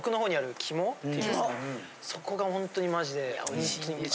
そこがホントにマジで。